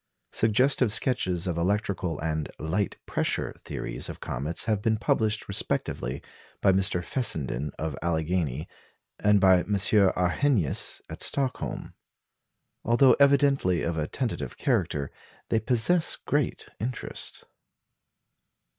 Suggestive sketches of electrical and "light pressure" theories of comets have been published respectively by Mr. Fessenden of Alleghany, and by M. Arrhenius at Stockholm. Although evidently of a tentative character, they possess great interest.